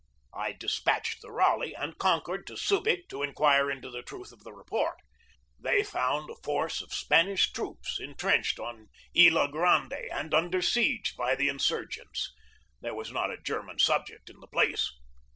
I despatched the Raleigh and Concord to Subig to inquire into the truth of this report. They found a force of Spanish troops intrenched on Isla Grande, and under siege by the insurgents. There was not a German subject in the place.